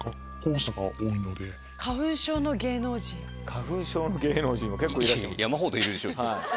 花粉症の芸能人は結構いらっしゃいます。